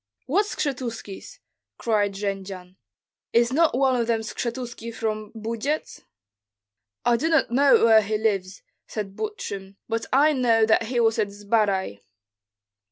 "What Skshetuskis?" cried Jendzian. "Is not one of them Skshetuski from Bujets?" "I do not know where he lives," said Butrym, "but I know that he was at Zbaraj."